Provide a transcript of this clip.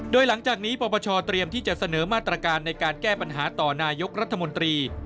โดยหลังจากนี้ปปชเตรียมที่จะเสนอมาตรการในการแก้ปัญหาต่อนายกรัฐมนตรี